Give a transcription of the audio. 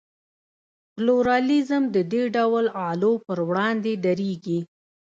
پلورالېزم د دې ډول اعلو پر وړاندې درېږي.